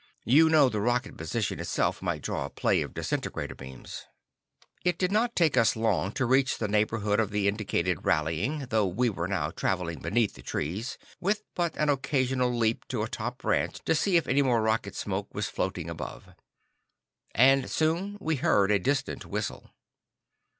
You know the rocket position itself might draw a play of disintegrator beams." It did not take us long to reach the neighborhood of the indicated rallying, though we were now traveling beneath the trees, with but an occasional leap to a top branch to see if any more rocket smoke was floating above. And soon we heard a distant whistle.